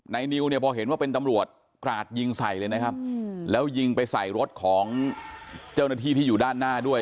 นิวเนี่ยพอเห็นว่าเป็นตำรวจกราดยิงใส่เลยนะครับแล้วยิงไปใส่รถของเจ้าหน้าที่ที่อยู่ด้านหน้าด้วย